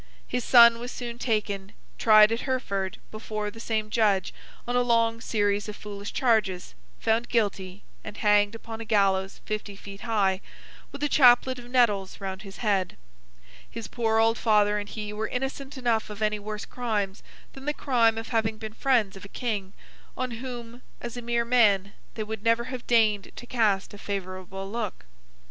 His son was soon taken, tried at Hereford before the same judge on a long series of foolish charges, found guilty, and hanged upon a gallows fifty feet high, with a chaplet of nettles round his head. His poor old father and he were innocent enough of any worse crimes than the crime of having been friends of a King, on whom, as a mere man, they would never have deigned to cast a favourable look.